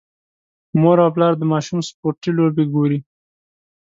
مور او پلار د ماشوم سپورتي لوبې ګوري.